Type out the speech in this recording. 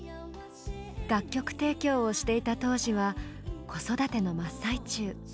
楽曲提供をしていた当時は子育ての真っ最中。